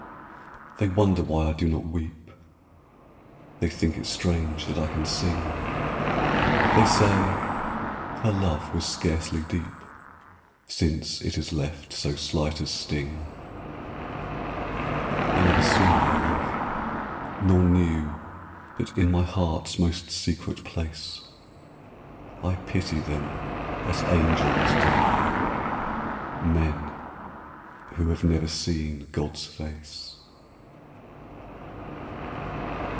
They wonder why I do not weep, They think it strange that I can sing, They say, "Her love was scarcely deep Since it has left so slight a sting." They never saw my love, nor knew That in my heart's most secret place I pity them as angels do Men who have never seen God's face.